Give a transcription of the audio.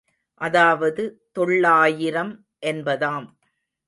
அதாவது தொள்ளாயிரம் என்பதாம்.